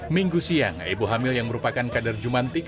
minggu siang ibu hamil yang merupakan kader jumantik